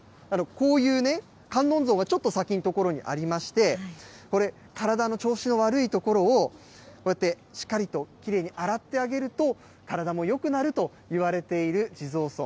こういう観音像がちょっと先の所にありまして、これ、体の調子の悪い所を、こうやって、しっかりときれいに洗ってあげると体もよくなるといわれている地蔵尊。